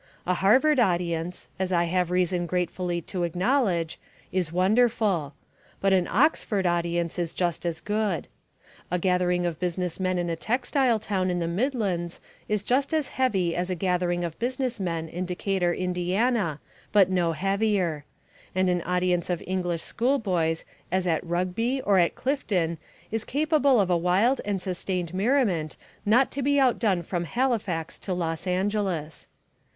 A Harvard audience, as I have reason gratefully to acknowledge, is wonderful. But an Oxford audience is just as good. A gathering of business men in a textile town in the Midlands is just as heavy as a gathering of business men in Decatur, Indiana, but no heavier; and an audience of English schoolboys as at Rugby or at Clifton is capable of a wild and sustained merriment not to be outdone from Halifax to Los Angeles.